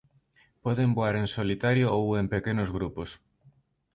Poden voar en solitario ou en pequenos grupos.